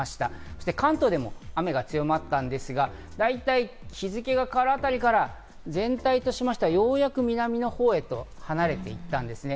そして関東でも雨が強まったんですが、大体、日付が変わったあたりから全体としましてはようやく南のほうへと離れていったんですね。